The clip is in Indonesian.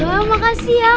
oh makasih ya